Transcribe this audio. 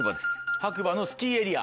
白馬のスキーエリア。